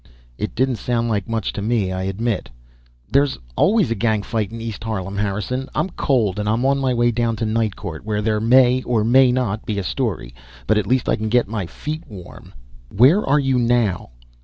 It didn't sound like much to me, I admit. "There's always a gang fight in East Harlem, Harrison. I'm cold and I'm on my way down to Night Court, where there may or may not be a story; but at least I can get my feet warm." "_Where are you now?